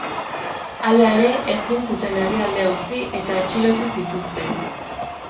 Hala ere, ezin zuten herrialdea utzi eta atxilotu zituzten.